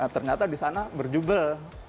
ternyata di sana berjubel